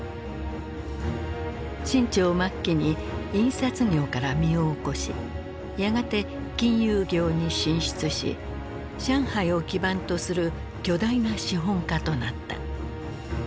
清朝末期に印刷業から身を起こしやがて金融業に進出し上海を基盤とする巨大な資本家となった。